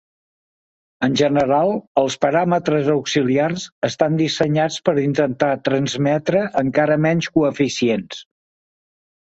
En general, els paràmetres auxiliars estan dissenyats per intentar transmetre encara menys coeficients.